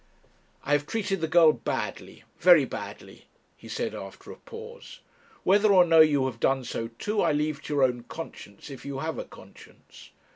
'I have treated the girl badly very badly,' he said, after a pause; 'whether or no you have done so too I leave to your own conscience, if you have a conscience.